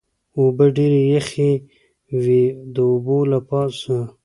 اوبه ډېرې یخې وې، د اوبو له پاسه.